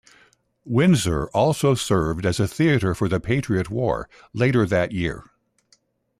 Windsor also served as a theatre for the Patriot War, later that year.